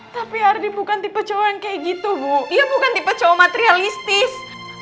tapi ardi bukan tipe cowok yang kayak gitu bu ya bukan tipe cowok materialistis